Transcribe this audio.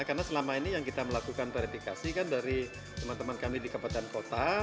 karena selama ini yang kita melakukan verifikasi kan dari teman teman kami di kempatan kota